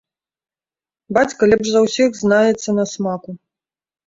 Бацька лепш за ўсіх знаецца на смаку.